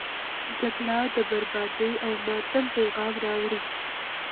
جګړه د بربادي او ماتم پیغام راوړي.